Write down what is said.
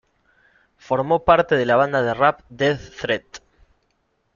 Formó parte de la banda de rap Death Threat.